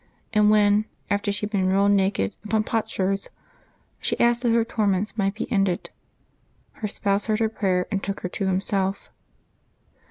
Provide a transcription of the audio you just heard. And when, after she had been rolled naked upon potsherds, she asked that her torments might be ended, her Spouse heard her prayer and took her to Himself.